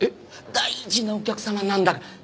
大事なお客様なんだ。